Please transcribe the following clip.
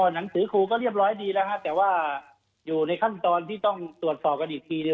หนังสือครูก็เรียบร้อยดีแล้วฮะแต่ว่าอยู่ในขั้นตอนที่ต้องตรวจสอบกันอีกทีหนึ่ง